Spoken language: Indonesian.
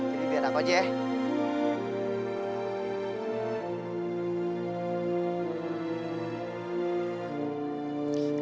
jadi biar aku aja ya